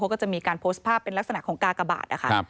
ก็จะมีการโพสต์ภาพเป็นลักษณะของกากบาทนะคะ